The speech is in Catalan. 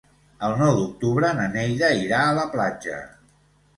El nou d'octubre na Neida irà a la platja.